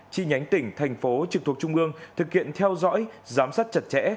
chi nhánh tỉnh thành phố trực thuộc trung ương thực hiện theo dõi giám sát chặt chẽ